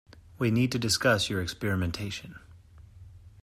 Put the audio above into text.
We need to discuss your experimentation.